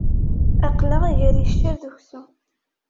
Aql-aɣ ger iccer d uksum.